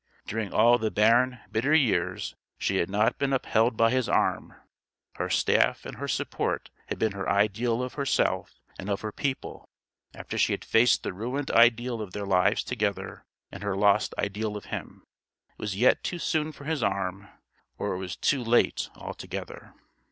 During all the barren bitter years she had not been upheld by his arm: her staff and her support had been her ideal of herself and of her people after she had faced the ruined ideal of their lives together and her lost ideal of him. It was yet too soon for his arm or it was too late altogether.